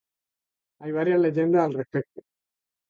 Hay varias leyendas al respecto.